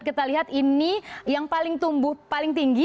kita lihat ini yang paling tumbuh paling tinggi